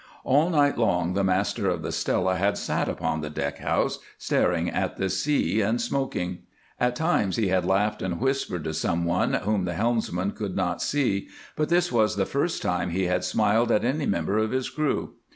All night long the master of the Stella had sat upon the deck house, staring at the sea and smoking. At times he had laughed and whispered to some one whom the helmsman could not see, but this was the first time he had smiled at any member of his crew.